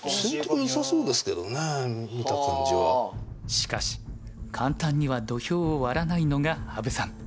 しかし簡単には土俵を割らないのが羽生さん。